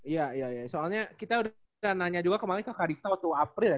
iya iya soalnya kita udah nanya juga kemarin ke kadifta waktu april ya